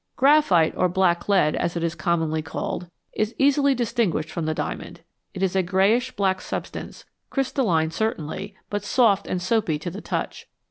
Graphite, or black lead, as it is commonly called, is easily distinguished from the diamond ; it is a greyish black substance > crystalline certainly, but soft and soapy to the touch.